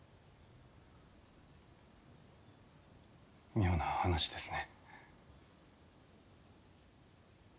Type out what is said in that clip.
妙な話ですね。